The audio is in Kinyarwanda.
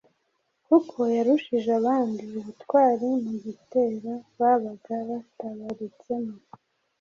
kuko yarushije abandi ubutwari mu gitero babaga batabarutsemo.